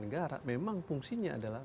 negara memang fungsinya adalah